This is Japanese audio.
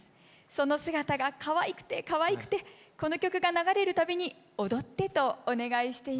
その姿がかわいくてかわいくてこの曲が流れるたびに「踊って」とお願いしていました。